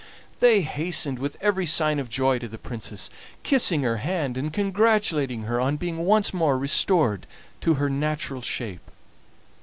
They hastened with every sign of joy to the Princess, kissing her hand and congratulating her on being once more restored to her natural shape.